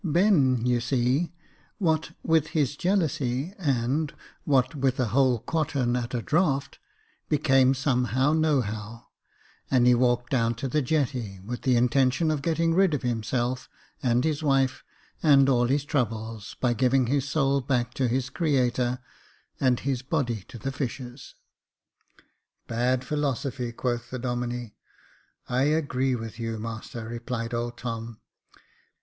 Ben, you see, no Jacob Faithful what with his jealousy and what with a whole quartern at a draught, became somehow nohow, and he walked down to the jetty with the intention of getting rid of himself, and his wife, and all his troubles, by giving his soul back to his Creator, and his body to the fishes." " Bad philosophy," quoth the Domine. I agree with you, master," replied old Tom.